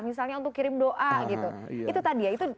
misalnya untuk kirim doa gitu